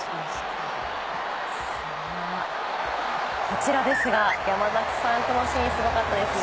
こちらですが、山崎さん、このシーンすごかったですよね。